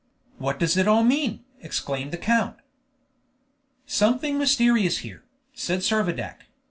"What does it all mean?" exclaimed the count. "Something mysterious here!" said Servadac.